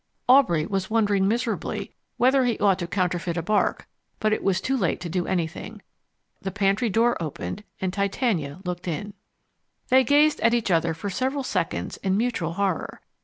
Aubrey was wondering miserably whether he ought to counterfeit a bark, but it was too late to do anything. The pantry door opened, and Titania looked in. They gazed at each other for several seconds in mutual horror.